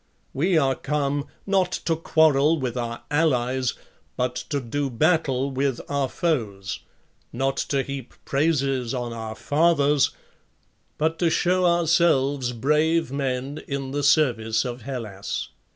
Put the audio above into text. We are come, not to quarrel with our allies, but to do battle with our foes; not to heap praises on our fathers, but to show ourselves brave men in the service of Hellas.